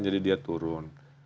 jadi dia turun